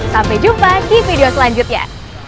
sampai jumpa di video selanjutnya